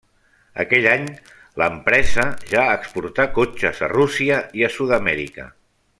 Aquell any, l'empresa ja exportà cotxes a Rússia i a Sud-amèrica.